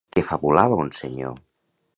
Què fabulava un senyor?